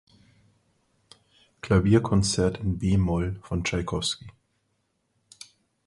Klavierkonzert in b-Moll von Tschaikowski.